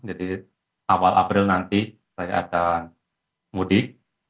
jadi awal april nanti saya akan mudik